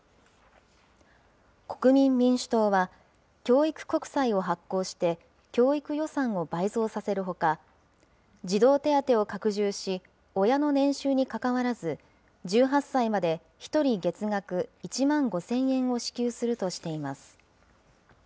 国民民主党は、教育国債を発行して、教育予算を倍増させるほか、児童手当を拡充し、親の年収にかかわらず、１８歳まで１人月額１万５０００円を支給するとしています。